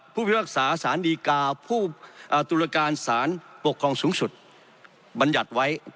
พิพากษาสารดีกาผู้ตุรการสารปกครองสูงสุดบรรยัติไว้